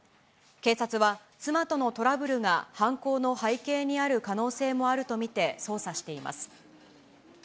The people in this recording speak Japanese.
警察は、妻とのトラブルが犯行の背景にある可能性もあると見て捜査しています。